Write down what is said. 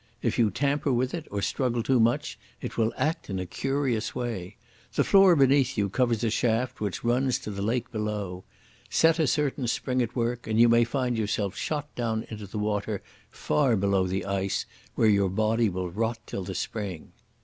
If you tamper with it or struggle too much it will act in a curious way. The floor beneath you covers a shaft which runs to the lake below. Set a certain spring at work and you may find yourself shot down into the water far below the ice, where your body will rot till the spring....